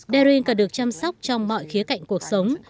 darin còn được chăm sóc trong mọi khía cạnh cuộc sống